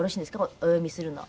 お読みするの。